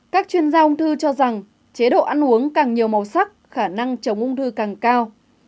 các chuyên gia ung thư cho rằng chế độ ăn uống càng nhiều màu sắc khả năng chống ung thư càng cao